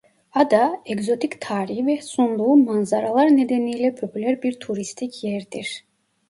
Ada egzotik tarihi ve sunduğu manzaralar nedeniyle popüler bir turistik yerdir.